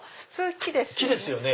木ですよね。